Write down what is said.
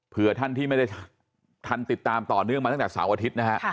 เพื่อท่านที่ไม่ได้ทันติดตามต่อเนื่องมาตั้งแต่เสาร์อาทิตย์นะฮะ